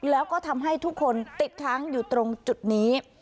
แล้วก็ทำให้ทุกคนติดค้างอยู่ตรงจุดนี้